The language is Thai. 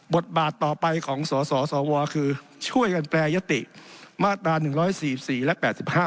บทบาทต่อไปของสสวคือช่วยกันแปรยติมาตรา๑๔๔และ๘๕